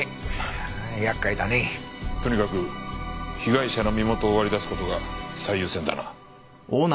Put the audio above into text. とにかく被害者の身元を割り出す事が最優先だな。